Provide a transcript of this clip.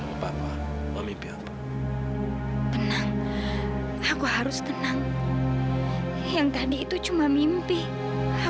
mama akan tahu kenyataannya sebenarnya